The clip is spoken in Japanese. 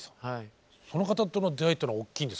その方との出会いっていうのは大きいんですか？